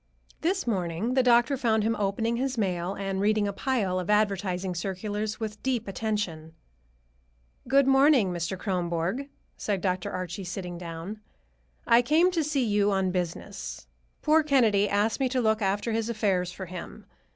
This morning the doctor found him opening his mail and reading a pile of advertising circulars with deep attention. "Good morning, Mr. Kronborg," said Dr. Archie, sitting down. "I came to see you on business. Poor Kennedy asked me to look after his affairs for him.